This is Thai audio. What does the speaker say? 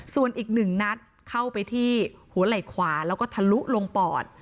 ส่วนอีกหนึ่งนัดเข้าไปที่หัวไหล่ขวาแล้วก็ทะลุลงปอด